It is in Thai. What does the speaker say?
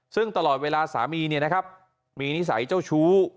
ซึ่งตลอดเวลาสามีเนี่ยนะครับมีนิสัยเจ้าชู้